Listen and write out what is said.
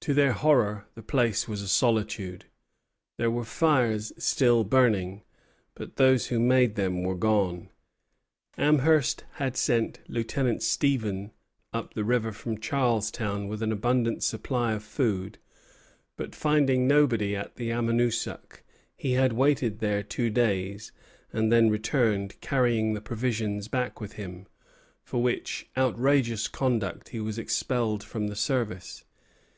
To their horror, the place was a solitude. There were fires still burning, but those who made them were gone. Amherst had sent Lieutenant Stephen up the river from Charlestown with an abundant supply of food; but finding nobody at the Amonoosuc, he had waited there two days, and then returned, carrying the provisions back with him; for which outrageous conduct he was expelled from the service.